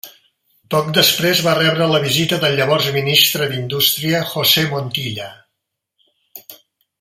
Poc després va rebre la visita del llavors ministre d'Indústria, José Montilla.